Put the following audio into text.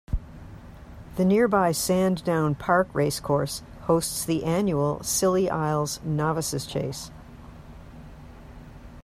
The nearby Sandown Park Racecourse hosts the annual Scilly Isles Novices' Chase.